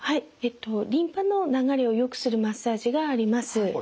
リンパの流れをよくするマッサージがあります。